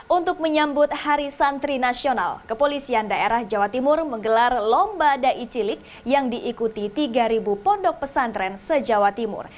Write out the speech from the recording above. untuk menyambut hari santri nasional kepolisian daerah jawa timur menggelar lomba ⁇ ai cilik yang diikuti tiga pondok pesantren se jawa timur